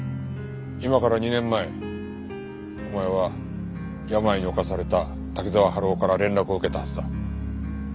今から２年前お前は病に侵された滝沢春夫から連絡を受けたはずだ。